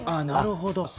なるほど。